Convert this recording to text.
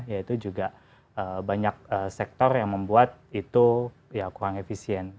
ya itu juga banyak sektor yang membuat itu ya kurang efisien